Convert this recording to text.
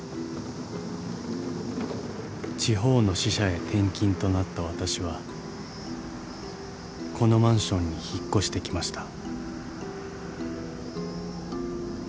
［地方の支社へ転勤となった私はこのマンションに引っ越してきました］